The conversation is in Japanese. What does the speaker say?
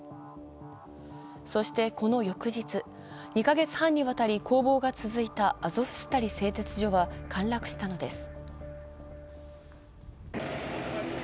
そしてこの翌日、２カ月半にわたり攻防が続いたアゾフスタリ製鉄所は陥落したのです。